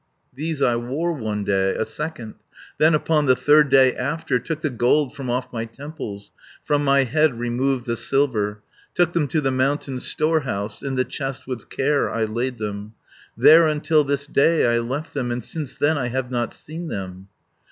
"These I wore one day, a second. Then upon the third day after 160 Took the gold from off my temples. From my head removed the silver, Took them to the mountain storehouse; In the chest with care I laid them, There until this day I left them, And since then I have not seen them.